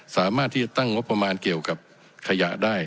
สามารถที่จะตั้งงบประมาณเกี่ยวกับขยะได้